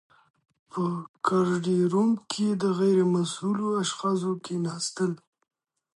په ګارډ روم کي د غیر مسؤلو اشخاصو کښيناستل .